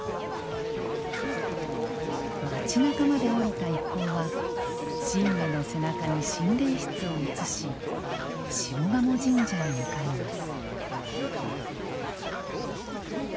町なかまでおりた一行は神馬の背中に神霊櫃を移し下鴨神社へ向かいます。